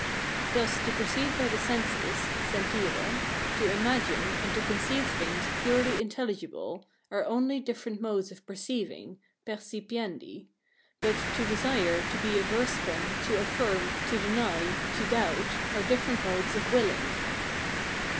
Thus, to perceive by the senses (SENTIRE), to imagine, and to conceive things purely intelligible, are only different modes of perceiving (PERCIP IENDI); but to desire, to be averse from, to affirm, to deny, to doubt, are different modes of willing.